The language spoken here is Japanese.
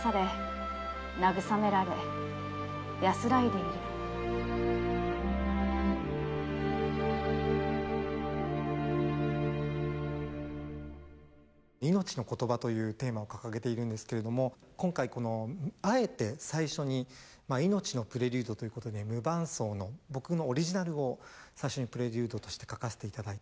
「いのちのことば」というテーマを掲げているんですけれども今回このあえて最初に「いのちのプレリュード」ということで無伴奏の僕のオリジナルを最初にプレリュードとして書かせていただいて。